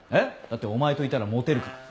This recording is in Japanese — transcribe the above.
だってお前といたらモテるから。